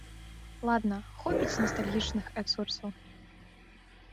Ладна, хопіць настальгічных экскурсаў.